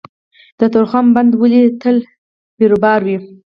د تورخم بندر ولې تل بیروبار وي؟